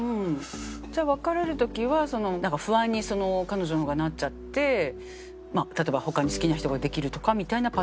じゃあ別れる時は不安に彼女の方がなっちゃって例えば他に好きな人ができるとかみたいなパターンも？